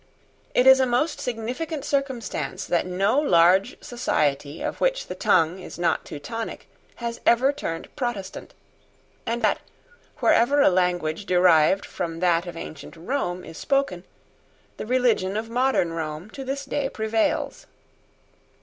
It is a most significant circumstance that no large society of which the tongue is not Teutonic has ever turned Protestant, and that, wherever a language derived from that of ancient Rome is spoken, the religion of modern Rome to this day prevails.